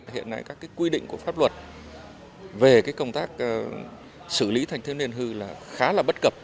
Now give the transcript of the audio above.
hiện nay các quy định của pháp luật về công tác xử lý thanh thiếu niên hư là khá là bất cập